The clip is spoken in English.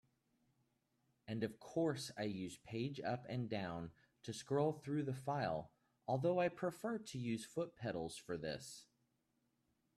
And of course I use page up and down to scroll through the file, although I prefer to use foot pedals for this.